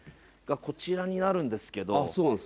こちらになるんですけど。